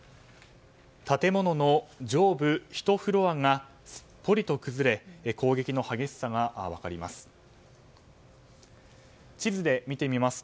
建物の上部１フロアがすっぽりと崩れ攻撃の激しさが分かります。